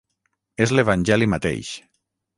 És l'Evangeli mateix.